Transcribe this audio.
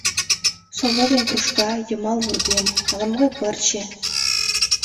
— Совла ден кружка, йымал вургем, ала-могай пырче...